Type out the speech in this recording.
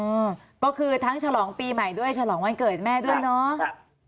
อืมก็คือทั้งฉลองปีใหม่ด้วยฉลองวันเกิดแม่ด้วยเนาะ